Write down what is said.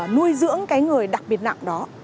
nuôi dưỡng người đặc biệt nặng đó